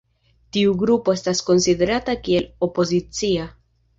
Tiu grupo estas konsiderata kiel opozicia.